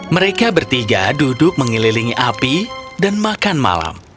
mereka bertiga duduk mengelilingi api dan makan malam